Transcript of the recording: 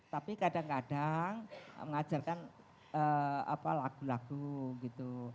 tapi kadang kadang mengajarkan lagu lagu gitu